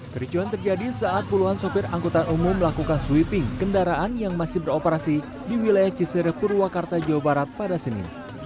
kericuan terjadi saat puluhan sopir angkutan umum melakukan sweeping kendaraan yang masih beroperasi di wilayah cisere purwakarta jawa barat pada senin